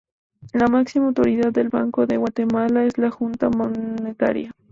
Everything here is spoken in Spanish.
La máxima autoridad del Banco de Guatemala es la Junta Monetaria.